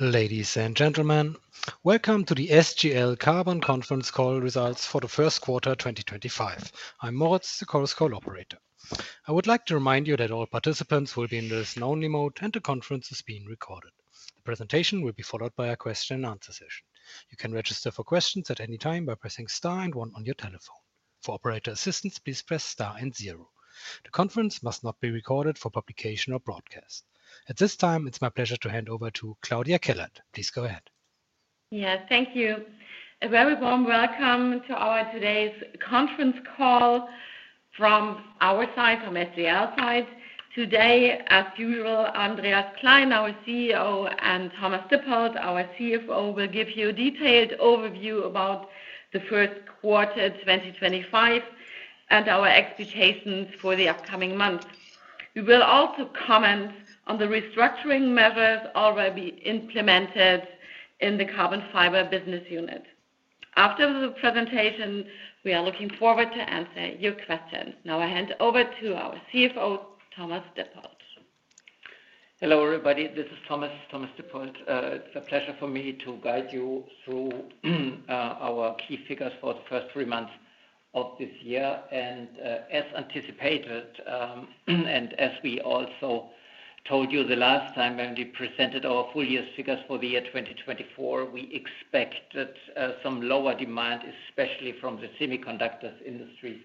I'm Moritz, Chorus Call operator. I would like to remind you that all participants will be in listen-only mode, and the conference is being recorded. The presentation will be followed by a question-and-answer session. You can register for questions at any time by pressing star and one on your telephone. For operator assistance, please press star and zero. The conference must not be recorded for publication or broadcast. At this time, it's my pleasure to hand over to Claudia Kellert. Please go ahead. Yes, thank you. A very warm welcome to our today's conference call from our side, from SGL's side. Today, as usual, Andreas Klein, our CEO, and Thomas Dippold, our CFO, will give you a detailed overview about the first quarter 2025 and our expectations for the upcoming months. We will also comment on the restructuring measures already implemented in the carbon fiber business unit. After the presentation, we are looking forward to answering your questions. Now I hand over to our CFO, Thomas Dippold. Hello, everybody. This is Thomas, Thomas Dippold. It's a pleasure for me to guide you through our key figures for the first three months of this year. As anticipated, and as we also told you the last time when we presented our full-year figures for the year 2024, we expected some lower demand, especially from the semiconductor industries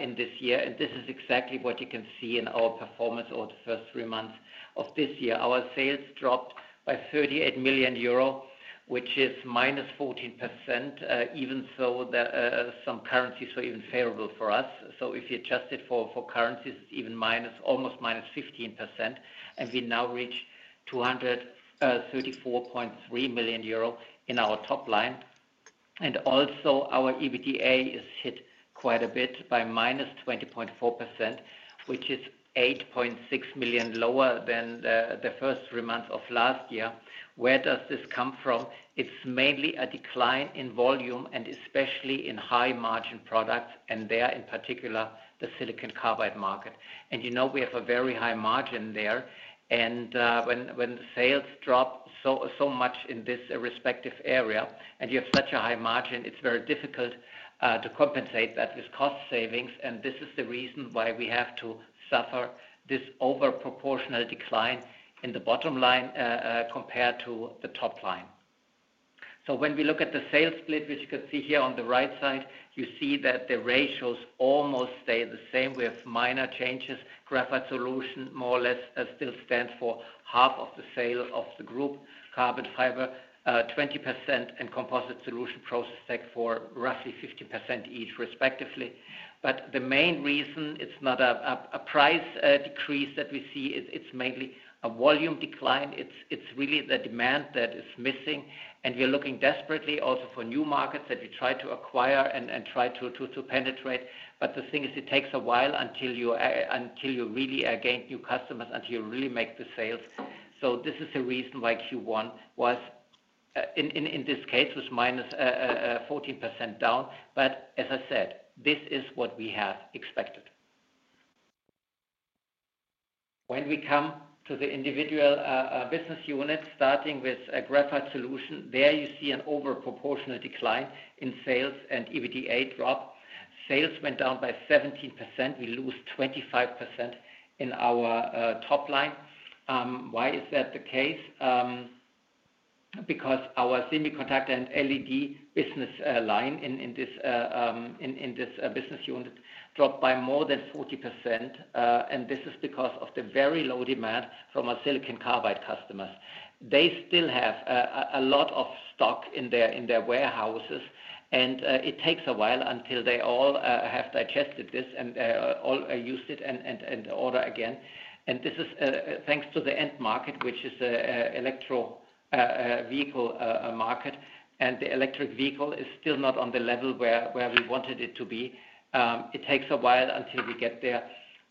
in this year. This is exactly what you can see in our performance over the first three months of this year. Our sales dropped by 38 million euro, which is -14%, even though some currencies were even favorable for us. If you adjust it for currencies, it's even almost -15%. We now reach 234.3 million euro in our top line. Also, our EBITDA is hit quite a bit by -20.4%, which is 8.6 million lower than the first three months of last year. Where does this come from? It is mainly a decline in volume, and especially in high-margin products, and there, in particular, the silicon carbide market. And you know we have a very high margin there. When sales drop so much in this respective area, and you have such a high margin, it is very difficult to compensate that with cost savings. This is the reason why we have to suffer this overproportional decline in the bottom line compared to the top line. When we look at the sales split, which you can see here on the right side, you see that the ratios almost stay the same. We have minor changes. Graphite solution more or less still stands for half of the sale of the group, carbon fiber 20%, and composite solution process tech for roughly 15% each, respectively. The main reason is not a price decrease that we see; it is mainly a volume decline. It is really the demand that is missing. We are looking desperately also for new markets that we try to acquire and try to penetrate. The thing is, it takes a while until you really gain new customers, until you really make the sales. This is the reason why Q1 was, in this case, -14% down. As I said, this is what we have expected. When we come to the individual business unit, starting with graphite solution, there you see an overproportional decline in sales and EBITDA drop. Sales went down by 17%. We lose 25% in our top line. Why is that the case? Because our semiconductor and LED business line in this business unit dropped by more than 40%. This is because of the very low demand from our silicon carbide customers. They still have a lot of stock in their warehouses, and it takes a while until they all have digested this and used it and ordered again. This is thanks to the end market, which is the electric vehicle market. The electric vehicle is still not on the level where we wanted it to be. It takes a while until we get there.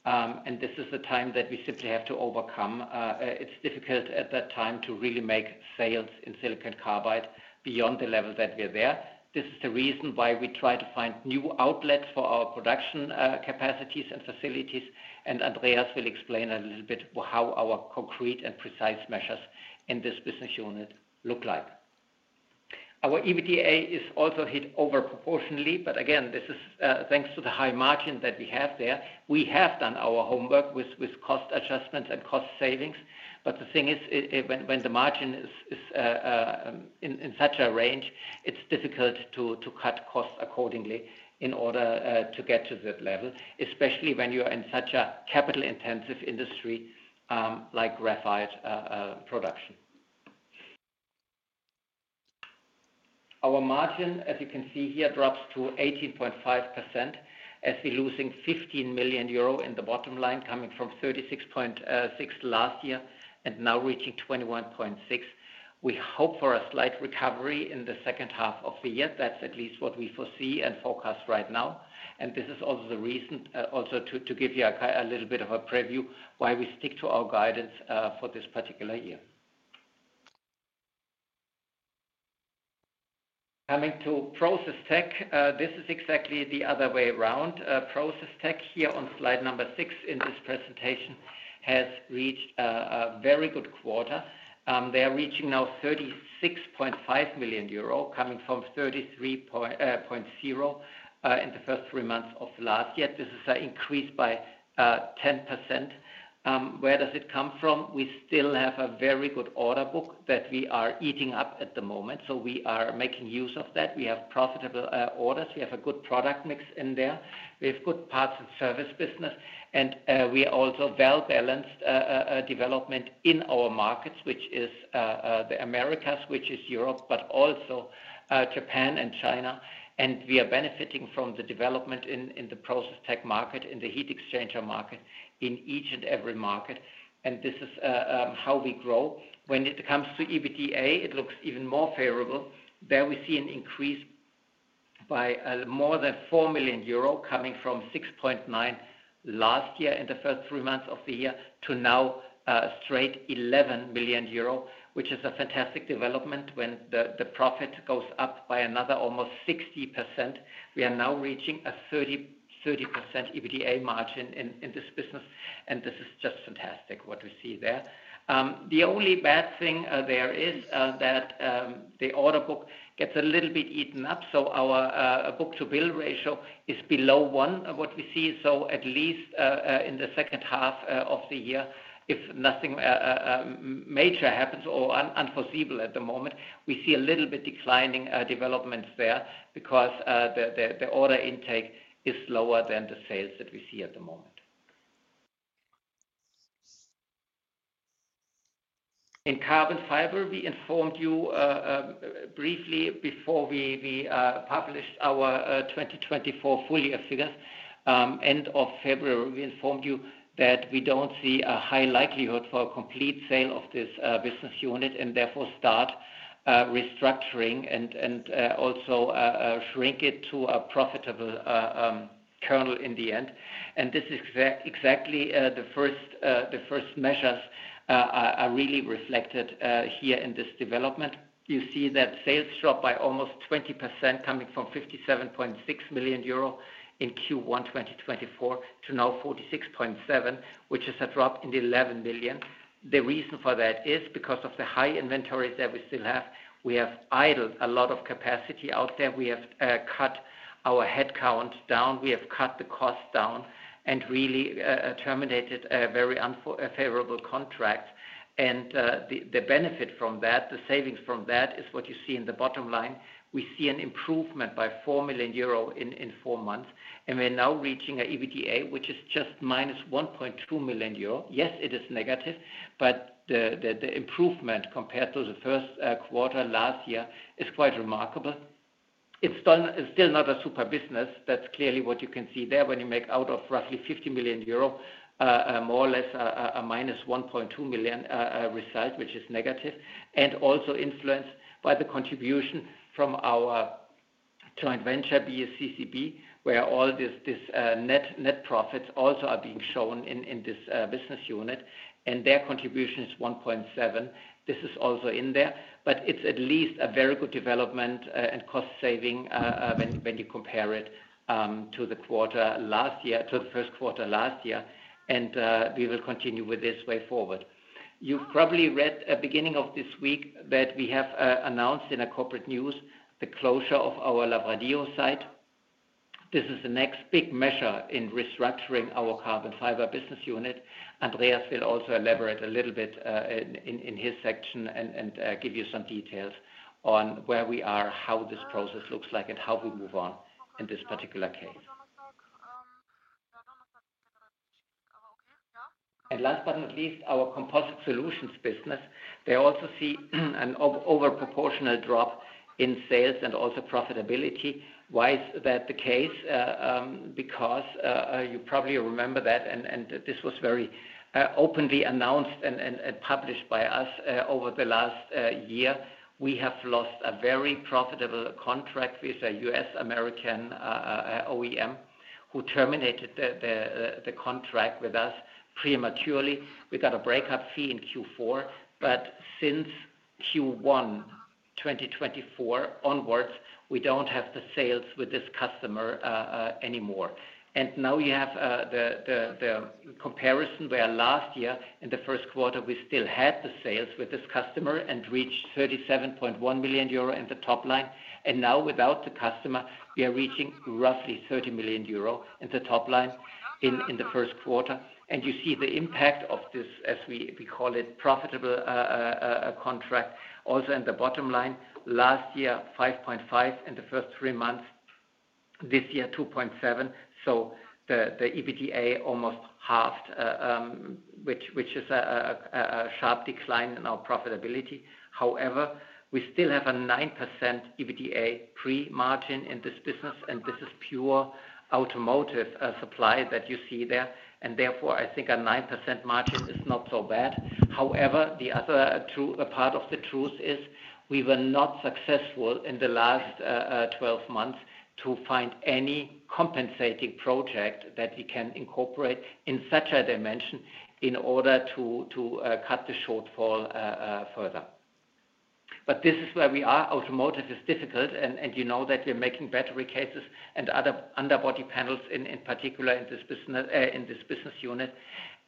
This is the time that we simply have to overcome. It is difficult at that time to really make sales in silicon carbide beyond the level that we are there. This is the reason why we try to find new outlets for our production capacities and facilities. Andreas will explain a little bit how our concrete and precise measures in this business unit look like. Our EBITDA is also hit overproportionally. Again, this is thanks to the high margin that we have there. We have done our homework with cost adjustments and cost savings. The thing is, when the margin is in such a range, it's difficult to cut costs accordingly in order to get to that level, especially when you're in such a capital-intensive industry like graphite production. Our margin, as you can see here, drops to 18.5% as we're losing 15 million euro in the bottom line, coming from 36.6 million last year and now reaching 21.6 million. We hope for a slight recovery in the second half of the year. That's at least what we foresee and forecast right now. This is also the reason, also to give you a little bit of a preview, why we stick to our guidance for this particular year. Coming to Process Tech, this is exactly the other way around. Process Tech here on slide number six in this presentation has reached a very good quarter. They are reaching now 36.5 million euro, coming from 33.0 million in the first three months of last year. This is an increase by 10%. Where does it come from? We still have a very good order book that we are eating up at the moment. We are making use of that. We have profitable orders. We have a good product mix in there. We have good parts and service business. We are also well-balanced development in our markets, which is the Americas, which is Europe, but also Japan and China. We are benefiting from the development in the process tech market, in the heat exchanger market, in each and every market. This is how we grow. When it comes to EBITDA, it looks even more favorable. There we see an increase by more than 4 million euro coming from 6.9 million last year in the first three months of the year to now straight 11 million euro, which is a fantastic development when the profit goes up by another almost 60%. We are now reaching a 30% EBITDA margin in this business. This is just fantastic what we see there. The only bad thing there is that the order book gets a little bit eaten up. Our book-to-bill ratio is below one of what we see. At least in the second half of the year, if nothing major happens or unforeseeable at the moment, we see a little bit declining developments there because the order intake is lower than the sales that we see at the moment. In carbon fiber, we informed you briefly before we published our 2024 full-year figures. End of February, we informed you that we do not see a high likelihood for a complete sale of this business unit and therefore start restructuring and also shrink it to a profitable core in the end. This is exactly the first measures are really reflected here in this development. You see that sales dropped by almost 20%, coming from 57.6 million euro in Q1 2024 to now 46.7 million, which is a drop in the 11 million. The reason for that is because of the high inventory that we still have. We have idled a lot of capacity out there. We have cut our headcount down. We have cut the cost down and really terminated very unfavorable contracts. The benefit from that, the savings from that, is what you see in the bottom line. We see an improvement by 4 million euro in four months. We are now reaching an EBITDA, which is just -1.2 million euro. Yes, it is negative, but the improvement compared to the first quarter last year is quite remarkable. It is still not a super business. That is clearly what you can see there when you make out of roughly 50 million euro, more or less a -1.2 million result, which is negative. It is also influenced by the contribution from our joint venture, BSCCB, where all these net profits also are being shown in this business unit. Their contribution is [1.7 million]. This is also in there. It is at least a very good development and cost saving when you compare it to the quarter last year, to the first quarter last year. We will continue with this way forward. You have probably read at the beginning of this week that we have announced in a corporate news the closure of our Lavradio site. This is the next big measure in restructuring our carbon fiber business unit. Andreas will also elaborate a little bit in his section and give you some details on where we are, how this process looks like, and how we move on in this particular case. Last but not least, our composite solutions business. They also see an overproportional drop in sales and also profitability. Why is that the case? Because you probably remember that, and this was very openly announced and published by us over the last year. We have lost a very profitable contract with a U.S. American OEM who terminated the contract with us prematurely. We got a breakup fee in Q4. Since Q1 2024 onwards, we do not have the sales with this customer anymore. Now you have the comparison where last year, in the first quarter, we still had the sales with this customer and reached 37.1 million euro in the top line. Now, without the customer, we are reaching roughly 30 million euro in the top line in the first quarter. You see the impact of this, as we call it, profitable contract also in the bottom line. Last year, [5.5 million] in the first three months. This year, [2.7 million]. The EBITDA almost halved, which is a sharp decline in our profitability. However, we still have a 9% EBITDA pre-margin in this business. This is pure automotive supply that you see there. Therefore, I think a 9% margin is not so bad. However, the other part of the truth is we were not successful in the last 12 months to find any compensating project that we can incorporate in such a dimension in order to cut the shortfall further. This is where we are. Automotive is difficult. You know that we're making battery cases and other underbody panels, in particular, in this business unit.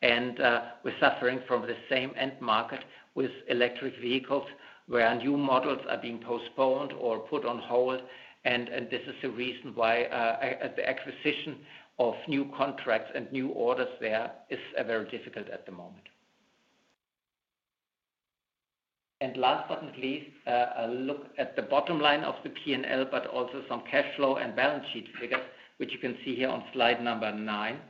We're suffering from the same end market with electric vehicles where new models are being postponed or put on hold. This is the reason why the acquisition of new contracts and new orders there is very difficult at the moment. Last but not least, a look at the bottom line of the P&L, but also some cash flow and balance sheet figures, which you can see here on slide number nine.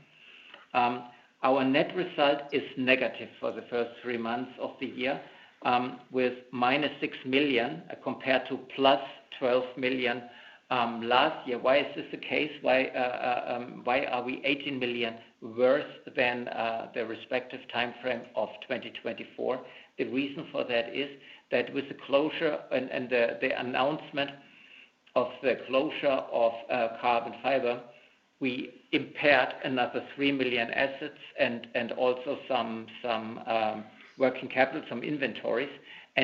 Our net result is negative for the first three months of the year with -6 million compared to +12 million last year. Why is this the case? Why are we 18 million worse than the respective time frame of 2024? The reason for that is that with the closure and the announcement of the closure of carbon fiber, we impaired another 3 million assets and also some working capital, some inventories.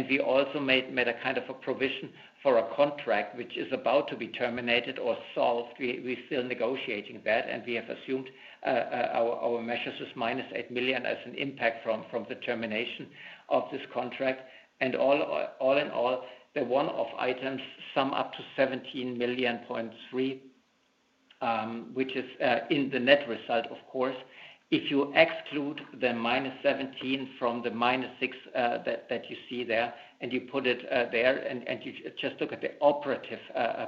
We also made a kind of a provision for a contract which is about to be terminated or solved. We are still negotiating that. We have assumed our measures is -8 million as an impact from the termination of this contract. All in all, the one-off items sum up to 17.3 million, which is in the net result, of course. If you exclude the -17 million from the -6 million that you see there and you put it there and you just look at the operative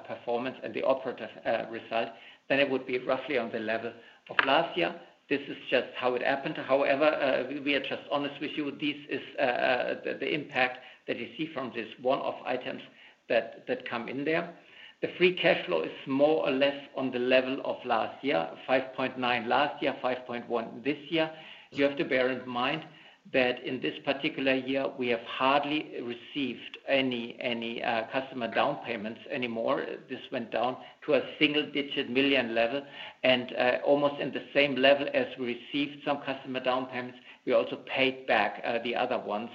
performance and the operative result, then it would be roughly on the level of last year. This is just how it happened. However, we are just honest with you. This is the impact that you see from these one-off items that come in there. The free cash flow is more or less on the level of last year, [5.9 million] last year, [5.1 million] this year. You have to bear in mind that in this particular year, we have hardly received any customer down payments anymore. This went down to a single-digit million level. And almost in the same level as we received some customer down payments, we also paid back the other ones.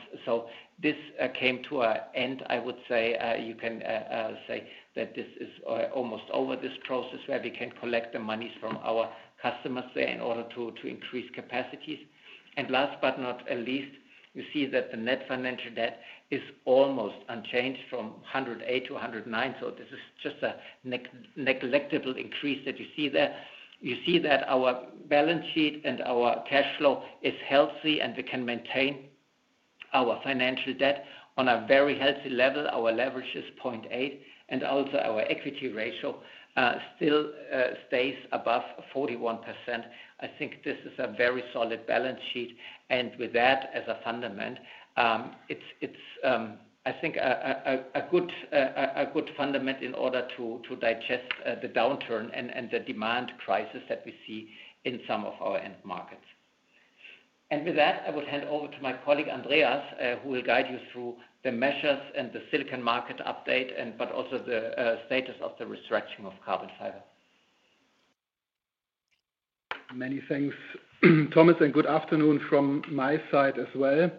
This came to an end, I would say. You can say that this is almost over, this process where we can collect the monies from our customers there in order to increase capacities. Last but not least, you see that the net financial debt is almost unchanged from 108 million to 109 million. This is just a negligible increase that you see there. You see that our balance sheet and our cash flow is healthy, and we can maintain our financial debt on a very healthy level. Our leverage is [0.8]. Also, our equity ratio still stays above 41%. I think this is a very solid balance sheet. With that as a fundament, I think it's a good fundament in order to digest the downturn and the demand crisis that we see in some of our end markets. With that, I would hand over to my colleague Andreas, who will guide you through the measures and the silicon market update, but also the status of the restructuring of carbon fiber. Many thanks, Thomas. Good afternoon from my side as well.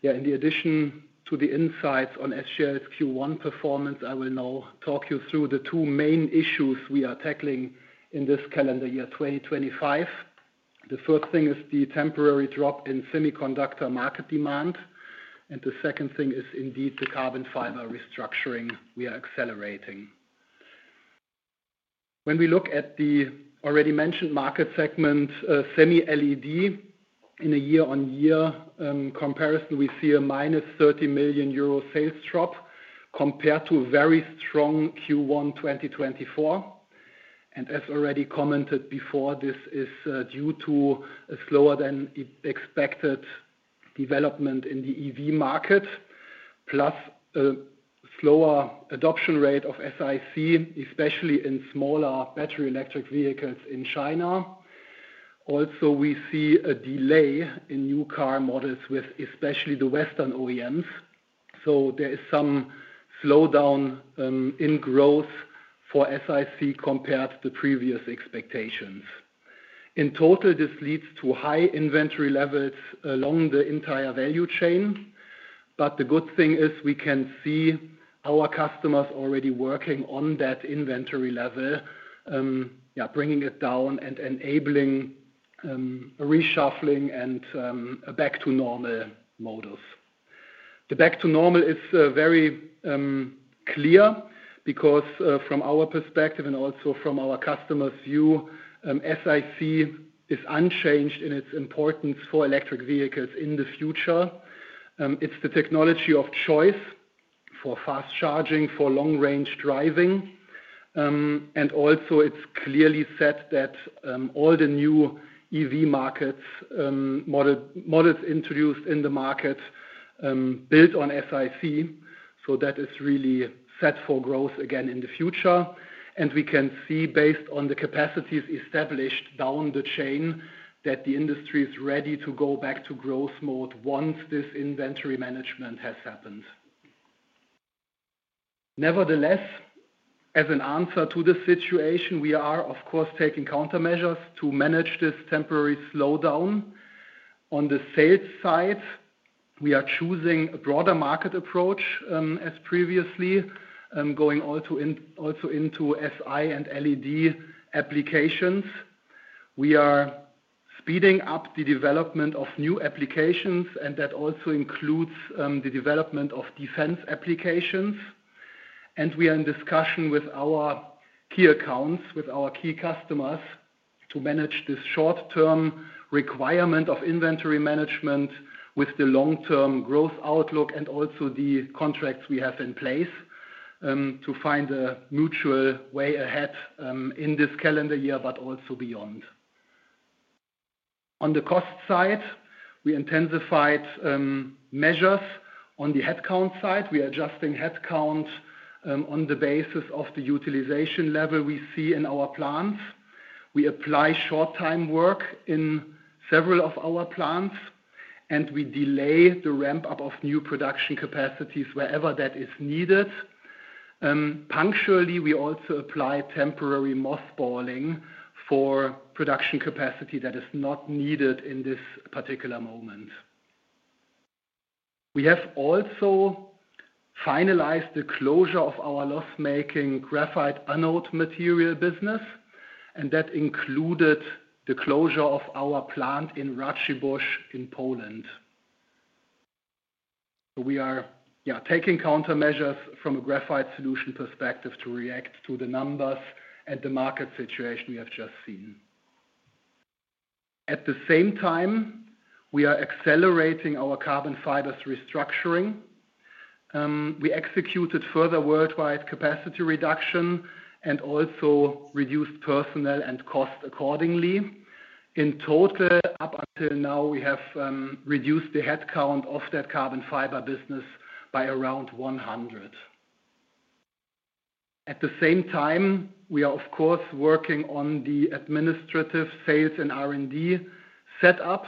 Yeah, in addition to the insights on SGL's Q1 performance, I will now talk you through the two main issues we are tackling in this calendar year, 2025. The first thing is the temporary drop in semiconductor market demand. The second thing is indeed the carbon fiber restructuring we are accelerating. When we look at the already mentioned market segment, semi and LED, in a year-on-year comparison, we see a -30 million euro sales drop compared to a very strong Q1 2024. As already commented before, this is due to a slower than expected development in the EV market, plus a slower adoption rate of SiC, especially in smaller battery electric vehicles in China. Also, we see a delay in new car models with especially the Western OEMs. There is some slowdown in growth for SiC compared to the previous expectations. In total, this leads to high inventory levels along the entire value chain. The good thing is we can see our customers already working on that inventory level, bringing it down and enabling a reshuffling and a back-to-normal modus. The back-to-normal is very clear because from our perspective and also from our customers' view, SiC is unchanged in its importance for electric vehicles in the future. It is the technology of choice for fast charging, for long-range driving. It is clearly said that all the new EV markets, models introduced in the market, build on SiC. That is really set for growth again in the future. We can see, based on the capacities established down the chain, that the industry is ready to go back to growth mode once this inventory management has happened. Nevertheless, as an answer to the situation, we are, of course, taking countermeasures to manage this temporary slowdown. On the sales side, we are choosing a broader market approach as previously, going also into Si and LED applications. We are speeding up the development of new applications, and that also includes the development of defense applications. We are in discussion with our key accounts, with our key customers, to manage this short-term requirement of inventory management with the long-term growth outlook and also the contracts we have in place to find a mutual way ahead in this calendar year, but also beyond. On the cost side, we intensified measures on the headcount side. We are adjusting headcount on the basis of the utilization level we see in our plants. We apply short-time work in several of our plants, and we delay the ramp-up of new production capacities wherever that is needed. Punctually, we also apply temporary mothballing for production capacity that is not needed in this particular moment. We have also finalized the closure of our loss-making graphite anode material business, and that included the closure of our plant in Racibórz in Poland. We are taking countermeasures from a graphite solutions perspective to react to the numbers and the market situation we have just seen. At the same time, we are accelerating our carbon fiber restructuring. We executed further worldwide capacity reduction and also reduced personnel and cost accordingly. In total, up until now, we have reduced the headcount of that carbon fiber business by around 100. At the same time, we are, of course, working on the administrative, sales, and R&D setup,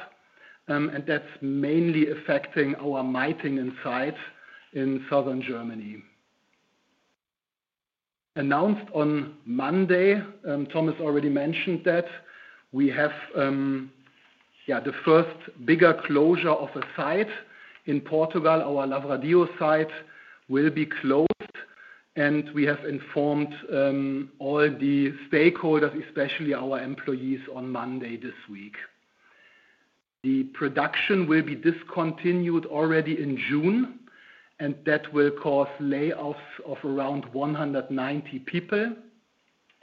and that's mainly affecting our Meitingen sites in southern Germany. Announced on Monday, Thomas already mentioned that we have the first bigger closure of a site in Portugal. Our Lavradio site will be closed, and we have informed all the stakeholders, especially our employees, on Monday this week. The production will be discontinued already in June, and that will cause layoffs of around 190 people.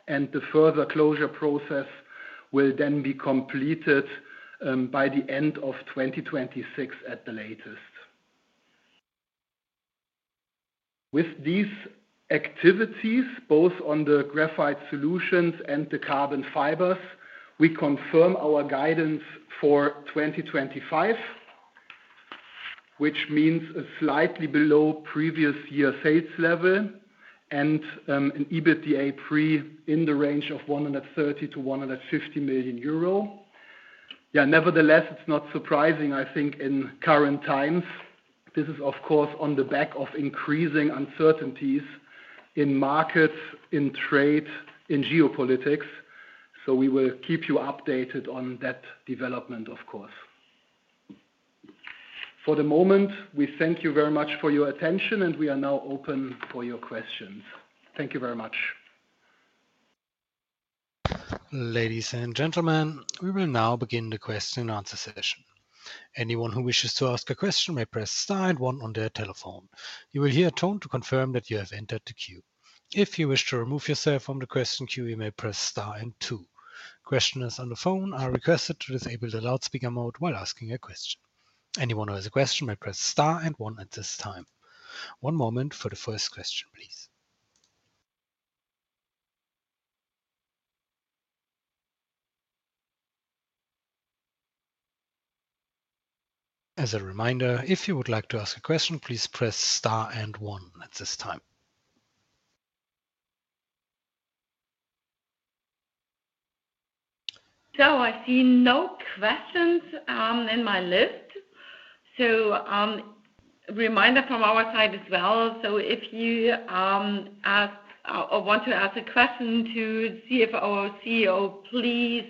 The further closure process will then be completed by the end of 2026 at the latest. With these activities, both on the graphite solutions and the carbon fibers, we confirm our guidance for 2025, which means slightly below previous year sales level and an EBITDA pre in the range of 130 million-150 million euro. Nevertheless, it's not surprising, I think, in current times. This is, of course, on the back of increasing uncertainties in markets, in trade, in geopolitics. We will keep you updated on that development, of course. For the moment, we thank you very much for your attention, and we are now open for your questions. Thank you very much. Ladies and gentlemen, we will now begin the question-and-answer session. Anyone who wishes to ask a question may press star and one on their telephone. You will hear a tone to confirm that you have entered the queue. If you wish to remove yourself from the question queue, you may press star and two. Questioners on the phone are requested to disable the loudspeaker mode while asking a question. Anyone who has a question may press star and one at this time. One moment for the first question, please. As a reminder, if you would like to ask a question, please press star and one at this time. I see no questions in my list. Reminder from our side as well. If you want to ask a question to CFO or CEO, please.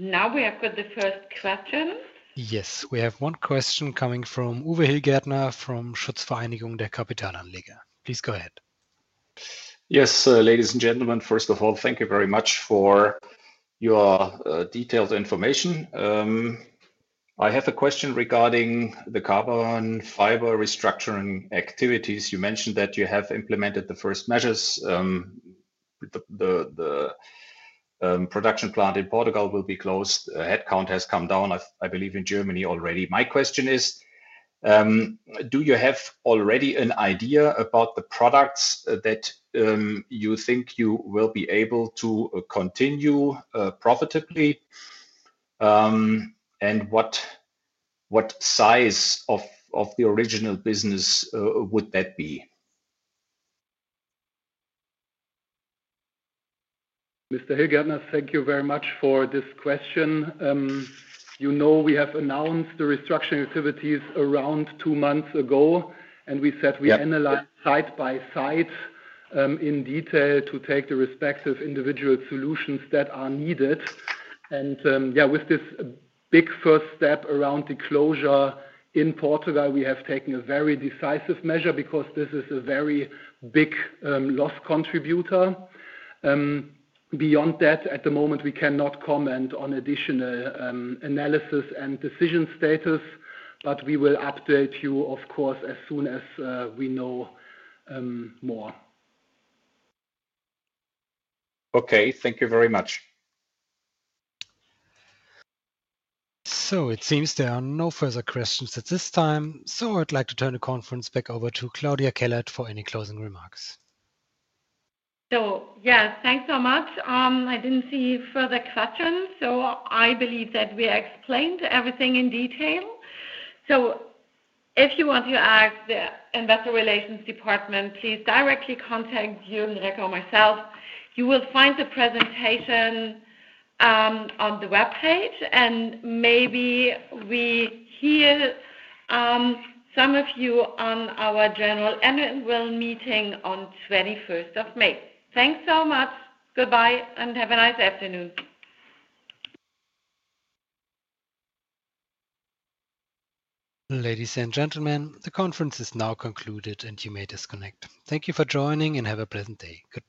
Now we have got the first question. Yes, we have one question coming from [Uwe Hilgertner] from [Schutzgemeinschaft der Kapitalanleger]. Please go ahead. Yes, ladies and gentlemen, first of all, thank you very much for your detailed information. I have a question regarding the carbon fiber restructuring activities. You mentioned that you have implemented the first measures. The production plant in Portugal will be closed. Headcount has come down, I believe, in Germany already. My question is, do you have already an idea about the products that you think you will be able to continue profitably? And what size of the original business would that be? Mr. [Hilgertner], thank you very much for this question. You know we have announced the restructuring activities around two months ago, and we said we analyze side by side in detail to take the respective individual solutions that are needed. With this big first step around the closure in Portugal, we have taken a very decisive measure because this is a very big loss contributor. Beyond that, at the moment, we cannot comment on additional analysis and decision status, but we will update you, of course, as soon as we know more. Okay, thank you very much. It seems there are no further questions at this time. I would like to turn the conference back over to Claudia Kellert for any closing remarks. Yes, thanks so much. I did not see further questions. I believe that we explained everything in detail. If you want to ask the investor relations department, please directly contact Juergen Reck or myself. You will find the presentation on the webpage, and maybe we hear some of you at our general annual meeting on the 21st of May. Thanks so much. Goodbye and have a nice afternoon. Ladies and gentlemen, the conference is now concluded, and you may disconnect. Thank you for joining and have a pleasant day. Goodbye.